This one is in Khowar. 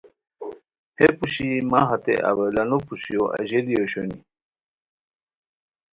ہے پوشی مہ ہتے اولانو پوشیو اژیلی اوشونی